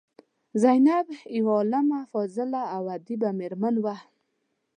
زینب یوه عالمه، فاضله او ادیبه میرمن وه.